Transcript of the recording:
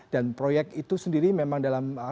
dan proyek itu sendiri memang dalam